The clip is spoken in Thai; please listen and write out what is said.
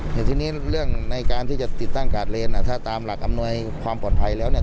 แต่ทีนี้เรื่องในการที่จะติดตั้งกาดเลนถ้าตามหลักอำนวยความปลอดภัยแล้วเนี่ย